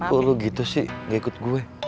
kok lo gitu sih gak ikut gue